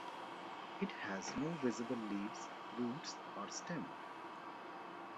It has no visible leaves, roots, or stem.